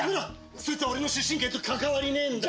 そいつは俺の出身県と関わりねぇんだよ。